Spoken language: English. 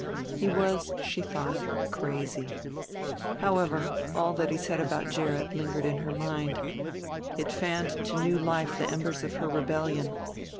He was, she thought, crazy. However, all that he said about Gerrit lingered in her mind; it fanned to new life the embers of her rebellion.